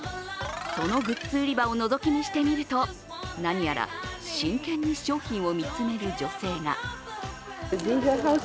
そのグッズ売り場をのぞき見してみると何やら真剣に商品を見つめる女性が。